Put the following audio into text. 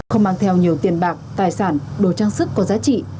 không mang theo nhiều tiền bạc tài sản đồ trang sức có giá trị